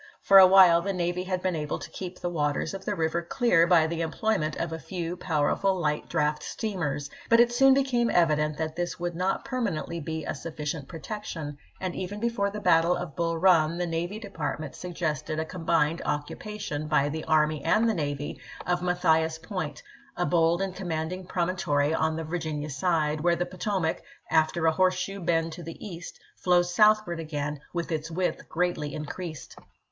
For a while the navy had been able to keep the waters of the river clear by the employment of a few powerful light draft steamers ; but it soon be came evident that this would not permanently be a sufficient protection, and even before the battle of Bull Run the Navy Department suggested a combined occupation, by the army and the navy, of Mathias Point, a bold and commanding promon tory on the Virginia side, where the Potomac, after a horseshoe bend to the east, flows southward again with its width greatly increased.